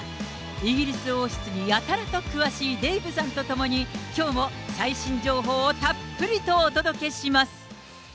イギリス王室にやたらと詳しいデーブさんと共に、きょうも最新情報をたっぷりとお届けします。